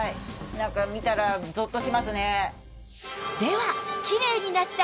なんか見たらゾッとしますね。